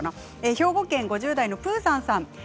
兵庫県５０代の方です。